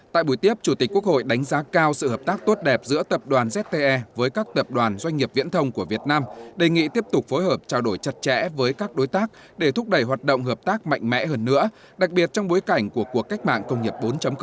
tại buổi tiếp chủ tịch quốc hội đánh giá cao sự hợp tác tốt đẹp giữa tập đoàn zte với các tập đoàn doanh nghiệp viễn thông của việt nam đề nghị tiếp tục phối hợp trao đổi chặt chẽ với các đối tác để thúc đẩy hoạt động hợp tác mạnh mẽ hơn nữa đặc biệt trong bối cảnh của cuộc cách mạng công nghiệp bốn